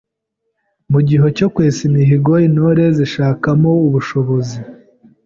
Mu gihe cyo kwesa imihigo, Intore zishakamo ubushobozi.